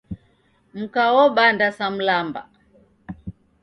Mka wobanda sa mlamba.